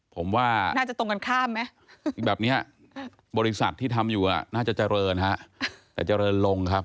ผมว่าแบบนี้บริษัทที่ทำอยู่น่าจะเจริญครับแต่เจริญลงครับ